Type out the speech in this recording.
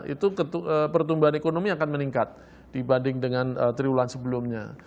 itu pertumbuhan ekonomi akan meningkat dibanding dengan triwulan sebelumnya